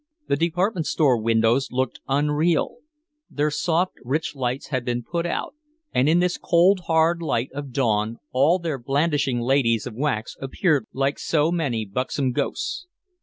The department store windows looked unreal. Their soft rich lights had been put out, and in this cold hard light of dawn all their blandishing ladies of wax appeared like so many buxom ghosts.